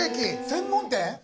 専門店？